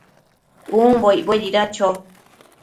umbo icbuedida cho?